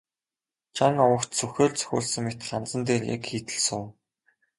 Жан овогт сүхээр цохиулсан мэт ханзан дээр яг хийтэл суув.